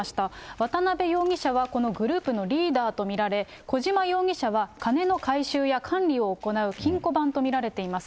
渡辺容疑者はこのグループのリーダーと見られ、小島容疑者は金の回収や管理を行う金庫番と見られています。